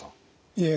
いえ